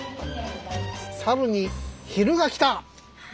サルに昼がきた！